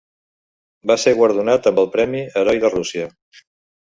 Va ser guardonat amb el premi Heroi de Rússia.